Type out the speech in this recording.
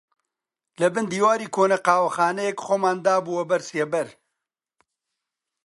لەبن دیواری کۆنە قاوەخانەیەک خۆمان دابووە بەر سێبەر